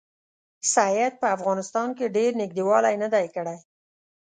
سید په افغانستان کې ډېر نیژدې والی نه دی کړی.